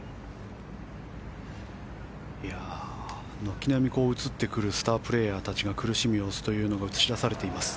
軒並み映ってくるスタープレーヤーたちが苦しむ様子というのが映し出されています。